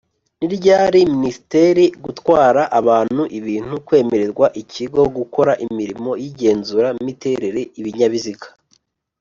ni ryari ministre gutwara abantu ibintu kwemererwa ikigo gukora imirimo y’igenzura miterere ibinyabiziga